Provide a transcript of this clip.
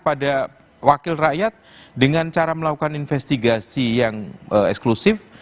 pada wakil rakyat dengan cara melakukan investigasi yang eksklusif